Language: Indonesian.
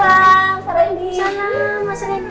waalaikumsalam mas randy